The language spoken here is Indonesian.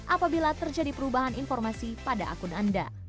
apabila terjadi perubahan informasi pada akun anda